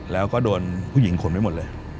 แล้วก็โดนผู้หญิงขนไปหมดเลย